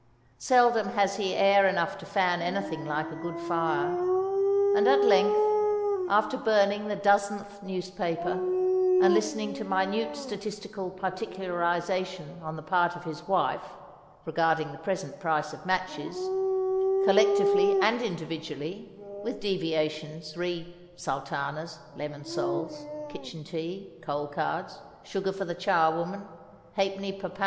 Seldom has he air enough to fan anything like a good fire; and at length, after burning the dozenth newspaper, and listening to minute statistical particularization on the part of his wife regarding the present price of matches, collectively and individually (with deviations re sultanas, lemon soles, kitchen tea, coal cards, sugar for the charwoman, ½_d._ per lb.